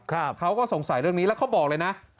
เขาก็สงสัยเรื่องนี้แล้วเขาบอกเลยนะ